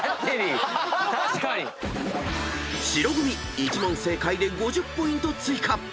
［白組１問正解で５０ポイント追加］